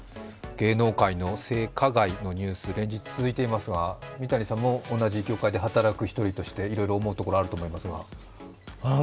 芸能界の性加害のニュース、連日、続いていますが、三谷さんも同じ業界で働く一人としていろいろ思うところがあると思いますが。